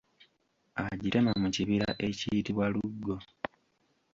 Agitema mu kibira ekiyitibwa Luggo.